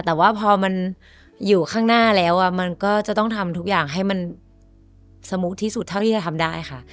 แต่ว่าพอมันอยู่ข้างหน้าแล้วมันก็จะต้องทำทุกอย่างให้มันสมูทที่สุดเท่าที่จะทำได้ค่ะ